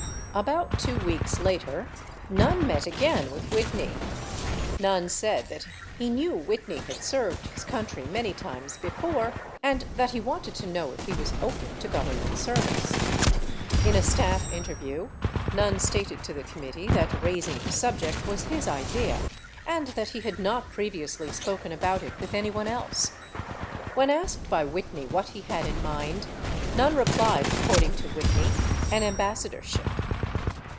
About two weeks later, Nunn met again with Whitney. Nunn said that he knew Whitney had served his country many times before and that he wanted to know if he was open to Government service. In a staff interview Nunn stated to the committee that raising the subject was his idea and that he had not previously spoken about it with anyone else. When asked by Whitney what he had in mind, Nunn replied, according to Whitney, "an ambassadorship."